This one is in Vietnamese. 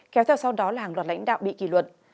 kéo theo sau đó là hàng loạt lãnh đạo bị kỷ luật